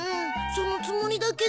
そのつもりだけど。